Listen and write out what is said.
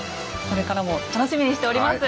これからも楽しみにしております。